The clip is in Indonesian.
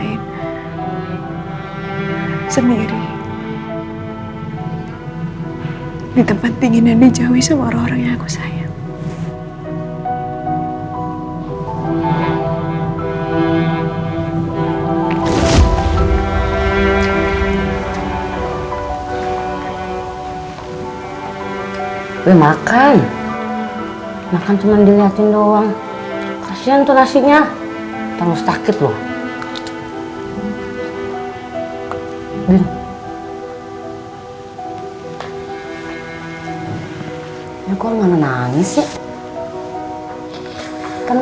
assalamualaikum warahmatullahi wabaraka